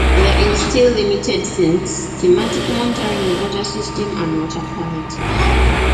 There is still limited systemic monitoring of the water system and water quality.